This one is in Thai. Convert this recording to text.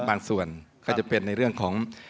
บางส่วนก็จะเป็นในเรื่องของ